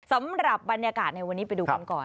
สำหรับบรรยากาศในวันนี้ไปดูกันก่อน